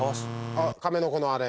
亀の子のあれ？